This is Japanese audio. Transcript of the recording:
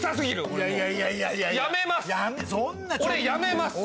俺やめます。